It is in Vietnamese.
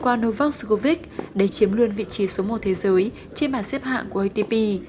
qua novak djokovic để chiếm luôn vị trí số một thế giới trên bản xếp hạng của atp